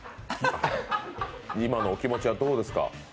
今のお気持ちはどうですか？